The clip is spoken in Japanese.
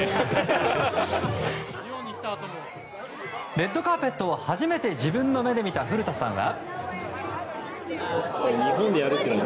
レッドカーペットを初めて自分の目で見た古田さんは。